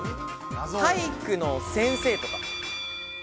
体育の先生とか。